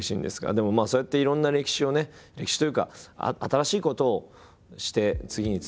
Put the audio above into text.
でもそうやっていろんな歴史をね歴史というか新しいことをして次につなげていく。